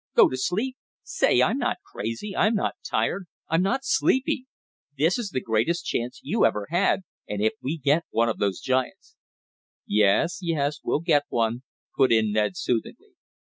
Go to sleep? Say, I'm not crazy! I'm not tired! I'm not sleepy! This is the greatest chance you ever had, and if we get one of those giants " "Yes, yes, we'll get one," put in Ned soothingly.